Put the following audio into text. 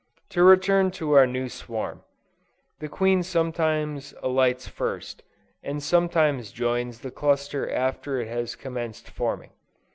To return to our new swarm. The queen sometimes alights first, and sometimes joins the cluster after it has commenced forming.